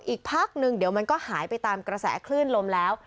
อีกพักนึงเดี๋ยวมันก็หายไปตามกระแสคลื่นลมแล้ว